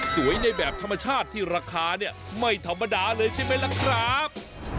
ในแบบธรรมชาติที่ราคาเนี่ยไม่ธรรมดาเลยใช่ไหมล่ะครับ